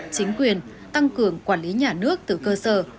chính quyền tăng cường quản lý nhà nước từ cơ sở